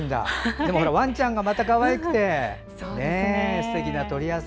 でもワンちゃんがまたかわいくてすてきな取り合わせ。